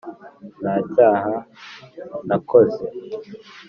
ntacyaha nakoze